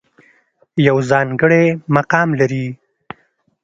يو ځانګړے مقام لري